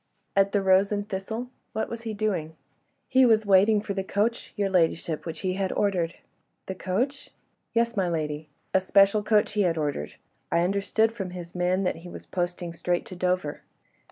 "At 'The Rose and Thistle'? What was he doing?" "He was waiting for the coach, your ladyship, which he had ordered." "The coach?" "Yes, my lady. A special coach he had ordered. I understood from his man that he was posting straight to Dover."